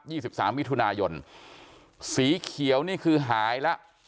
สิบสามมิถุนายนสีเขียวนี่คือหายแล้ว